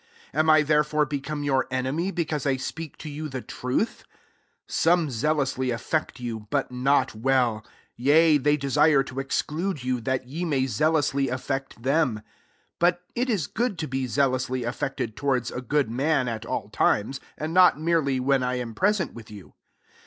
16 Am I therefore become your enemy, because I speak to you the truth? 17 Some zealous ly affect you, but not well : yea, they desire to exclude you, that ye may zealously affect them. 18 But it is good to be zealously affected towards a good man at all times ; and not merely when I am present with you.